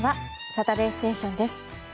「サタデーステーション」です。